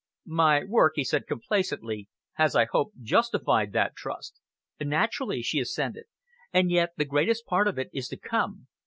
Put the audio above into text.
"My work," he said complacently, "has, I hope, justified that trust." "Naturally," she assented, "and yet the greatest part of it is to come.